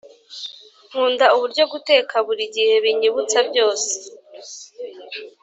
nkunda uburyo guteka buri gihe binyibutsa byose